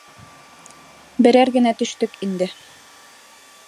Берәр генә төштөк инде.